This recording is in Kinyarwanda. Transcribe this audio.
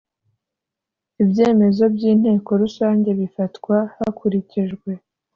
Ibyemezo by inteko rusange bifatwa hakurikijwe